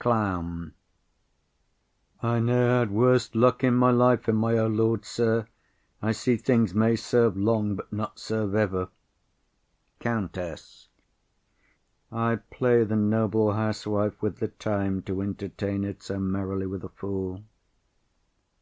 CLOWN. I ne'er had worse luck in my life in my 'O Lord, sir!' I see things may serve long, but not serve ever. COUNTESS. I play the noble housewife with the time, to entertain it so merrily with a fool.